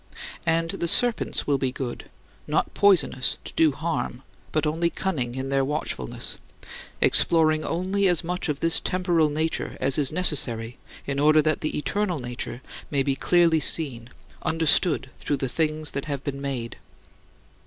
And the serpents will be good, not poisonous to do harm, but only cunning in their watchfulness exploring only as much of this temporal nature as is necessary in order that the eternal nature may "be clearly seen, understood through the things that have been made."